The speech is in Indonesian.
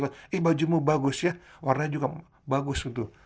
ini bajumu bagus ya warnanya juga bagus gitu